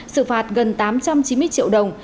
sự phạt gần tám trăm chín mươi triệu đồng